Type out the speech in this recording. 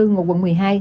ngộ quận một mươi hai